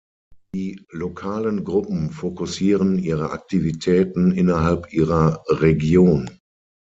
Die lokalen Gruppen fokussieren ihre Aktivitäten innerhalb ihrer Region.